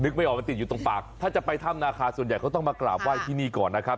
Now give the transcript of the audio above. ไม่ออกมันติดอยู่ตรงปากถ้าจะไปถ้ำนาคาส่วนใหญ่เขาต้องมากราบไหว้ที่นี่ก่อนนะครับ